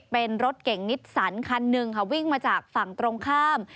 เป็นรถเก่งนิสสันคันหนึ่งค่ะวิ่งมาจากฝั่งตรงข้าม